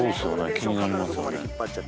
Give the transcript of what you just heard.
気になりますよね